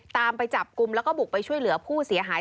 ไปจับกลุ่มแล้วก็บุกไปช่วยเหลือผู้เสียหาย